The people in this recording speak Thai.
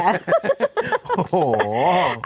โอ้โห